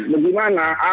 jadi lihat lihat bagaimana